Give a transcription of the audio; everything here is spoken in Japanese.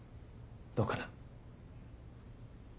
どうかな？